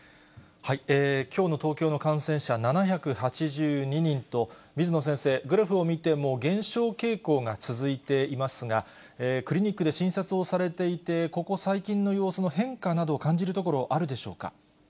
きょうの東京の感染者、７８２人と、水野先生、グラフを見ても、減少傾向が続いていますが、クリニックで診察をされていて、ここ最近の様子の変化などを感じるところ、あるでしょうか。